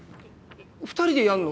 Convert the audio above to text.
２人でやんの？